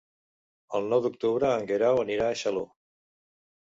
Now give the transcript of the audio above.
El nou d'octubre en Guerau anirà a Xaló.